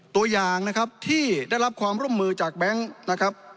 ตัวอย่างนะครับที่ได้รับความร่วมมือจากแบงค์นะครับ